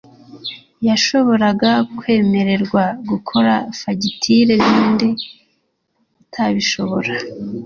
yashoboraga kwemererwa gukora fagitire ninde utabishobora